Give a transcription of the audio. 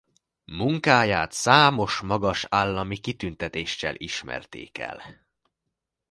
Munkáját számos magas állami kitüntetéssel ismerték el.